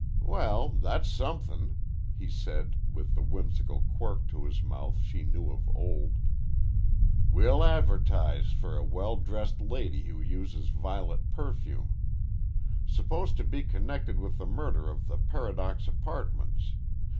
"Well, that's somethin'," he said with the whimsical quirk to his mouth she knew of old. "We'll advertise for a well dressed lady who uses violet perfume. Supposed to be connected with the murder at the Paradox Apartments.